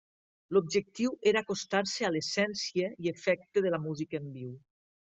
L'objectiu era acostar-se a l'essència i efecte de la música en viu.